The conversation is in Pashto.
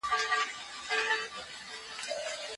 دا روحیه د پرمختګ لپاره مهمه ده.